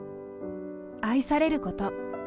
愛されること。